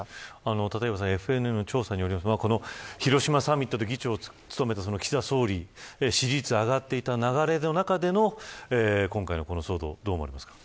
ＦＮＮの調査によると広島サミットで議長を務めた岸田総理支持率が上がっていた流れの中で今回のこの騒動をどう思いますか。